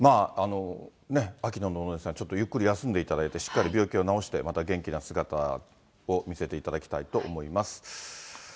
秋野のお姉さん、しっかり休んでいただいて、しっかり病気を治して、また元気な姿を見せていただきたいと思います。